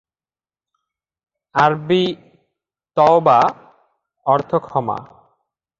আরবি "তওবা" অর্থ ক্ষমা।